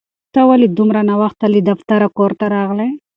ته ولې دومره ناوخته له دفتره کور ته راغلې؟